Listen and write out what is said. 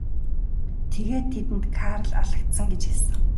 Тэгээд тэдэнд Карл алагдсан гэж хэлсэн.